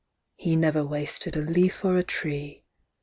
He never wasted a leaf or a tree.